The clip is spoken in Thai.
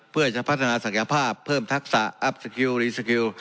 เพื่อจะพัฒนาศักยภาพเพิ่มทักษะอัพสกิลรีสกิล